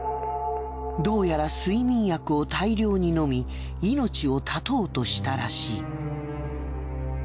どうやら睡眠薬を大量に飲み命を絶とうとしたらしい。